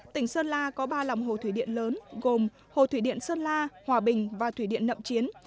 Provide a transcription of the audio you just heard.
tỉnh sơn la có ba lòng hồ thủy điện lớn gồm hồ thủy điện sơn la hòa bình và thủy điện nậm chiến